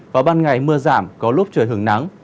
và ban ngày mưa giảm có lúc trời hưởng nắng